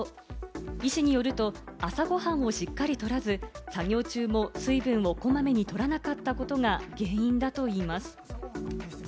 医師によると、朝ご飯をしっかりとらず、作業中も水分をこまめにとらなかったことが原因だといいます。